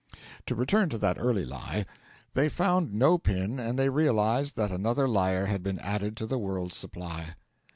To return to that early lie. They found no pin and they realised that another liar had been added to the world's supply.